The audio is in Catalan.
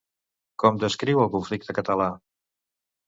Com descriu el conflicte català?